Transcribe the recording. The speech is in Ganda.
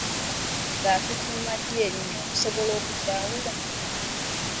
Gaakituuma ddi erinnya okusobola okukyawula?